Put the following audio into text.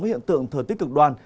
các hiện tượng thời tiết cực đoan